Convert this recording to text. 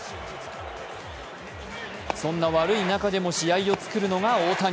そんな悪い中でも試合を作るのが大谷。